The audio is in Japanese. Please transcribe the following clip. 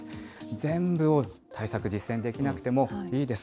全部を対策実践できなくてもいいです。